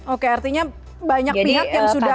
oke artinya banyak pihak yang sudah